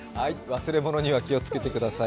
忘れ物には気をつけてください。